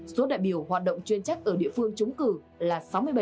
số đại biểu hoạt động chuyên trách ở địa phương trúng cử là sáu mươi bảy